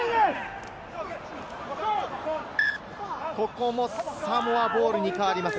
ここもサモアボールに変わります。